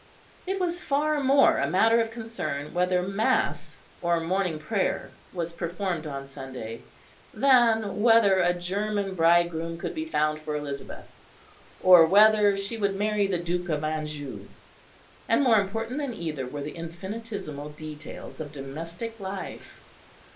It was far more a matter of concern whether mass or morning prayer was performed on Sunday, than whether a German bridegroom could be found for Elizabeth, or whether she would marry the Duke of Anjou; and more important than either were the infinitesimal details of domestic life.